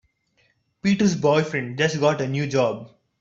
Peter's boyfriend just got a new job.